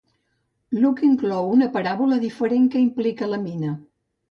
Luke inclou una paràbola diferent que implica la mina.